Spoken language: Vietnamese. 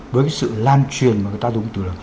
với cái sự lan truyền mà người ta dùng từ được